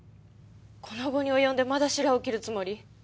この期に及んでまだ白を切るつもり？